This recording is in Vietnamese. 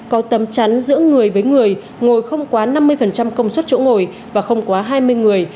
có tấm chắn giữa người với người ngồi không quá năm mươi công suất chỗ ngồi và không quá hai mươi người